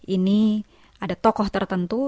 ini ada tokoh tertentu